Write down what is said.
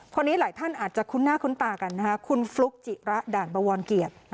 นี้หลายท่านอาจจะคุ้นหน้าคุ้นตากันนะคะคุณฟลุ๊กจิระด่านบวรเกียรติ